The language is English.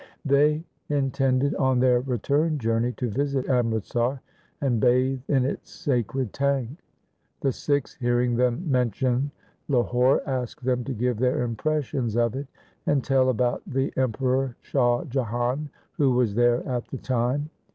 They intended on their return journey to visit Amritsar and bathe in its sacred tank. The Sikhs hearing them mention Lahore asked them to give their impressions of it, and tell about the Emperor Shah Jahan, who was there at the time.